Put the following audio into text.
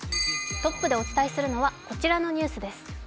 トップでお伝えするのはこちらのニュースです。